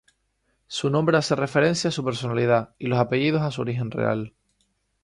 Su nombre hace referencia a su personalidad y los apellidos a su origen real.